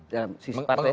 dalam sisi partai